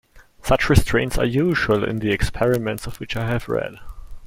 Such restraints are usual in the experiments of which I have read.